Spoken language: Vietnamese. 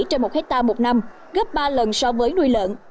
trên một hectare một năm gấp ba lần so với nuôi lợn